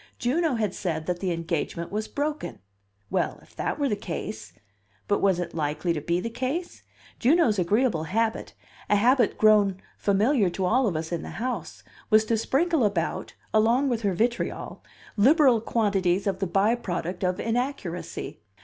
Juno had said that the engagement was broken. Well, if that were the case But was it likely to be the case? Juno's agreeable habit, a habit grown familiar to all of us in the house, was to sprinkle about, along with her vitriol, liberal quantities of the by product of inaccuracy.